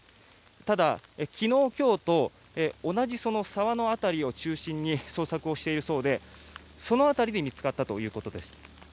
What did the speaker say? ただ、昨日今日と同じ沢の辺りを中心に捜索をしているそうでその辺りで見つかったということです。